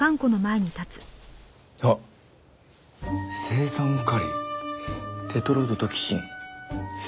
青酸カリテトロドトキシン。